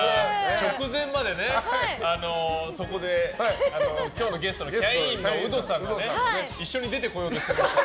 直前までね、そこで今日のゲストのキャインのウドさんが一緒に出てこようとしてて。